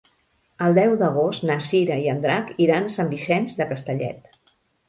El deu d'agost na Cira i en Drac iran a Sant Vicenç de Castellet.